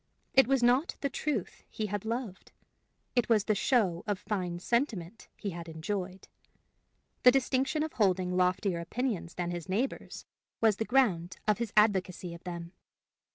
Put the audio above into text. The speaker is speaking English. It was not the truth he had loved; it was the show of fine sentiment he had enjoyed. The distinction of holding loftier opinions than his neighbors was the ground of his advocacy of them.